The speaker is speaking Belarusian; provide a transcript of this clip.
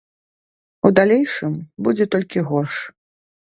У далейшым будзе толькі горш.